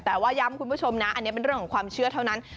แต่ว่าย้ำคุณผู้ชมนะอันนี้เป็นเรื่องของความเชื่อเท่านั้น